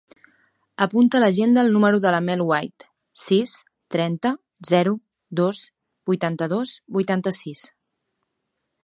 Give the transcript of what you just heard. Apunta a l'agenda el número de la Mel White: sis, trenta, zero, dos, vuitanta-dos, vuitanta-sis.